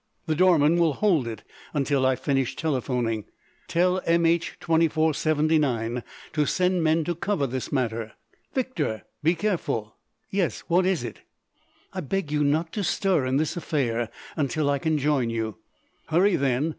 The doorman will hold it until I finish telephoning. Tell M. H. 2479 to send men to cover this matter——" "Victor!" "Be careful! Yes, what is it?" "I beg you not to stir in this affair until I can join you——" "Hurry then.